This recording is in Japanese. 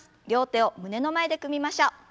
両手を胸の前で組みましょう。